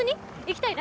行きたい。